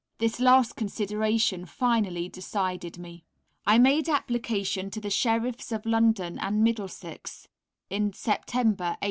This last consideration finally decided me. I made application to the Sheriffs of London and Middlesex in September, 1883.